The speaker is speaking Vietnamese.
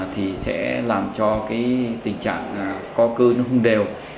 thì sẽ làm cho cái tình trạng co cơ nó không đều